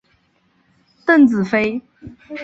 邓紫飞。